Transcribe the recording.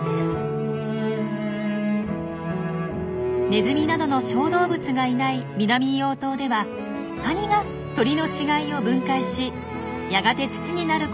ネズミなどの小動物がいない南硫黄島ではカニが鳥の死骸を分解しやがて土になることで栄養が循環。